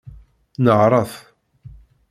Nehṛet!